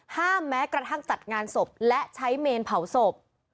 แม้กระทั่งจัดงานศพและใช้เมนเผาศพ